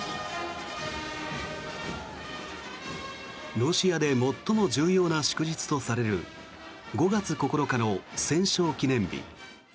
ロシアで最も重要な祝日とされる５月９日の戦勝記念日。